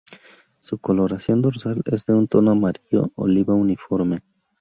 Su coloración dorsal es de un tono amarillo oliva uniforme.